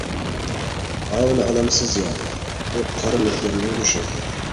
ئاۋۇنى ئالامسىز يا؟ ئۇ قارا مېكىياننىڭ گۆشى.